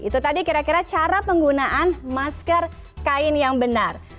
itu tadi kira kira cara penggunaan masker kain yang benar